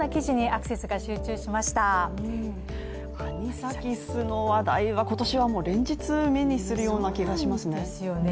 アニサキスの話題は、今年は連日目にするような気がしますね。